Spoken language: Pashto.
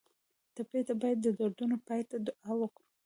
ټپي ته باید د دردونو پای ته دعا وکړو.